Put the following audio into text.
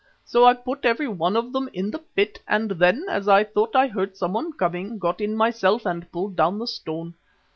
So I put every one of them in the pit, and then, as I thought I heard someone coming, got in myself and pulled down the stone.